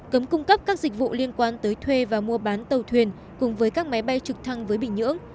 cấm cung cấp các dịch vụ liên quan tới thuê và mua bán tàu thuyền cùng với các máy bay trực thăng với bình nhưỡng